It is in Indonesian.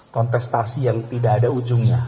kontestasi yang tidak ada ujungnya